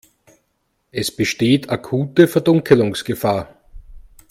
Es besteht akute Verdunkelungsgefahr.